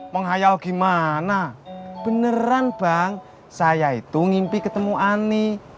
menghayal gimana beneran bang saya itu ngimpi ketemu ani